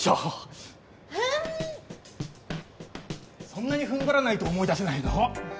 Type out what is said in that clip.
そんなに踏ん張らないと思い出せないの？